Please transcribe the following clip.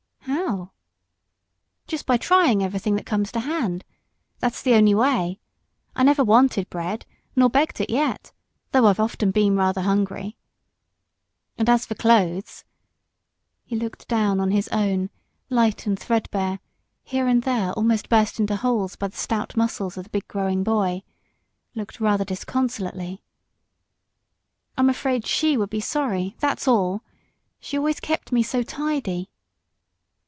"How?" "Just by trying everything that comes to hand. That's the only way. I never wanted bread, nor begged it, yet though I've often been rather hungry. And as for clothes" he looked down on his own, light and threadbare, here and there almost burst into holes by the stout muscles of the big growing boy looked rather disconsolately. "I'm afraid SHE would be sorry that's all! She always kept me so tidy."